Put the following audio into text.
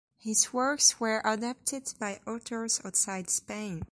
His works were adapted by authors outside Spain.